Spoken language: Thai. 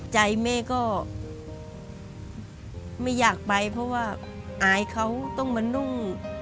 ใจแม่ก็ไม่อยากไปเพราะว่าอายเขาต้องมานุ่ง